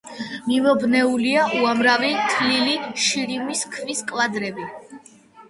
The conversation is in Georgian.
მიმობნეულია უამრავი თლილი შირიმის ქვის კვადრები.